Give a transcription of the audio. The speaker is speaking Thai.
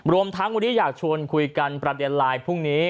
รวมทั้งวันนี้อยากชวนคุยกันประเด็นไลน์พรุ่งนี้